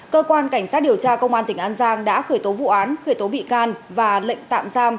cơ quan cảnh sát điều tra công an tỉnh an giang đã khởi tố vụ án khởi tố bị can và lệnh tạm giam